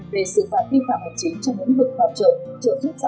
về sự phạt vi phạm chính trong những vực